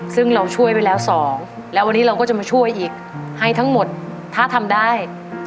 ซึ่งเราช่วยไปแล้วสองแล้ววันนี้เราก็จะมาช่วยอีกให้ทั้งหมดถ้าทำได้